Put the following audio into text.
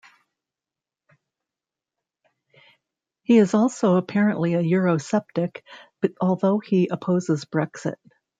He is also apparently a eurosceptic, although he opposes Brexit.